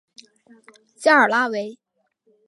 加尔拉韦。